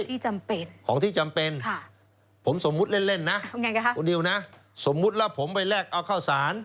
ที่จำเป็นค่ะคุณนิวผมสมมุติเล่นนะสมมุติแล้วผมไปแรกเอาข้าวสาร